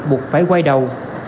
buộc phải quay đầu